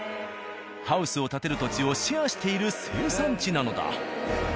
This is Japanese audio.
ハウスを建てる土地をシェアしている生産地なのだ。